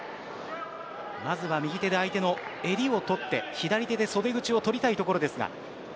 まずは右手で相手の襟を取って左手で袖口を取りたいところです。